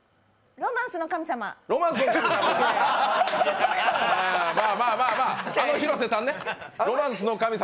「ロマンスの神様」。